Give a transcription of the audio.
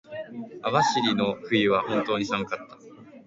網走の冬は本当に寒かった。